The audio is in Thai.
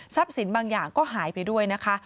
สินบางอย่างก็หายไปด้วยนะคะ